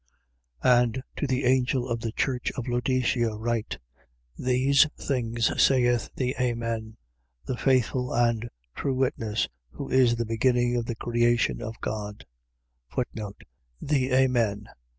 3:14. And to the angel of the church of Laodicea write: These things saith the Amen, the faithful and true witness, who is the beginning of the creation of God: The Amen